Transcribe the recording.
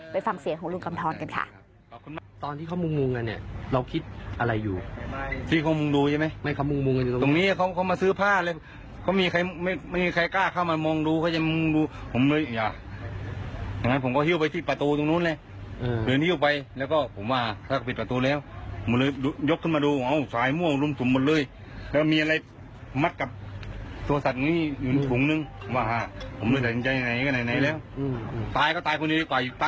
ฟังเสียงของลุงกำทรกันค่ะ